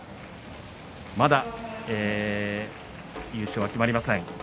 まだ優勝が決まりません。